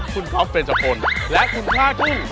คุณก๊อฟเฟรนเจ้าพลและคุณพล่าขึ้น